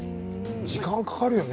時間かかるよね